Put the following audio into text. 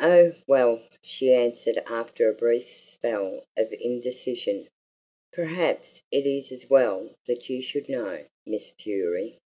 "Oh, well!" she answered after a brief spell of indecision. "Perhaps it is as well that you should know, Miss Bewery.